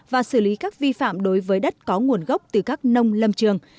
và xử lý các vi phạm đối với đất có nguồn gốc từ các nông lâm trường